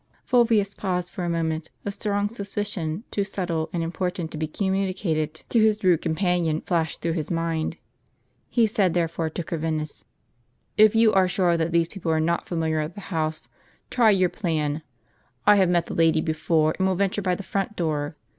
Fulvius paused for a moment; a strong suspicion, too subtle and important to be communicated to his rude com panion, flashed through his mind. He said, therefore, to Corvinus : "If you are sure that these people are not familiar at the house, try your plan. I have met the lady before, and will venture by the front door.